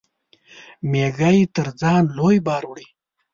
مېږى تر ځان لوى بار وړي.